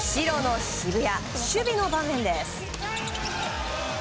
守備の場面です。